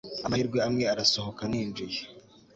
amahirwe amwe! arasohoka ninjiye